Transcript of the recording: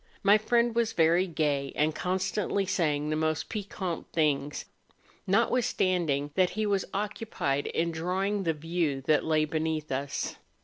My friend was very gay, and constantly saying the most piquant things, notwitlistanding that he was occupied in drawing the view that lay beneath us.